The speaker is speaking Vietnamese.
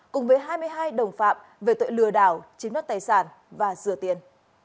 cùng với hai mươi hai đồng phạm về tội lừa đảo chiếm đất tài sản và rửa tiền